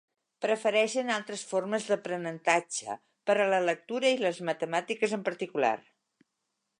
Prefereixen altres formes d'aprenentatge, per a la lectura i les matemàtiques en particular.